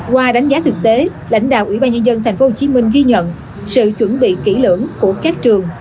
qua đánh giá thực tế lãnh đạo ủy ban nhân dân tp hcm ghi nhận sự chuẩn bị kỹ lưỡng của các trường